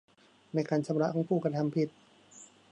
ในการชำระของผู้กระทำผิด